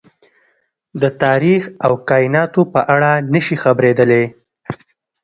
د تاريخ او کايناتو په اړه نه شي خبرېدلی.